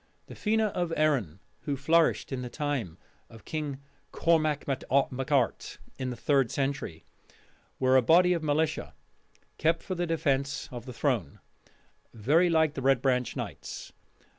The Fena of Erin, who flourished in the time of King Cormac mac Art, in the third century, were a body of militia kept for the defence of the throne, very like the Red Branch Knights.